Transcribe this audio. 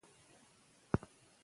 ډاکټران د درد ضد درملو مخنیوی کوي.